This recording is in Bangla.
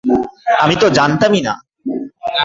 আমি তো জানতামই না।